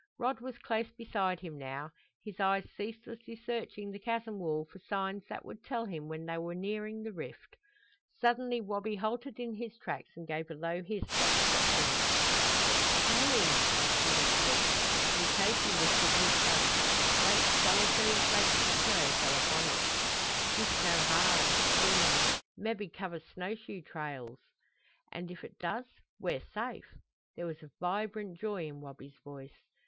Rod was close beside him now, his eyes ceaselessly searching the chasm wall for signs that would tell him when they were nearing the rift. Suddenly Wabi halted in his tracks and gave a low hiss that stopped them. "It's snowing!" he whispered. Mukoki lifted his face. Great solitary flakes of snow fell upon it. "She snow hard soon. Mebby cover snow shoe trails!" "And if it does we're safe!" There was a vibrant joy in Wabi's voice.